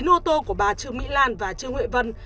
một mươi chín ô tô của bà trương mỹ lan và trương huệ vân